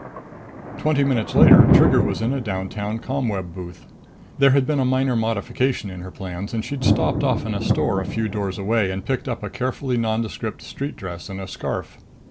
Twenty minutes later Trigger was in a downtown ComWeb booth. There had been a minor modification in her plans and she'd stopped off in a store a few doors away and picked up a carefully nondescript street dress and a scarf.